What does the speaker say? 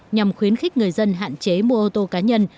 nhằm khuyến khích người dân hạn chế mua ô tô cá nhân